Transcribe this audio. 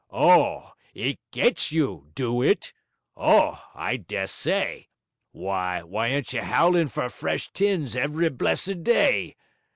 Oh, it "gets you", do it? Oh, I dessay! W'y, we en't you 'owling for fresh tins every blessed day?